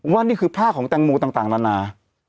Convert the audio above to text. นี่คือผ้าของแตงโมต่างนานา